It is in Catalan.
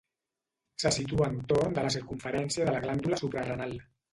Se situa entorn de la circumferència de la glàndula suprarenal.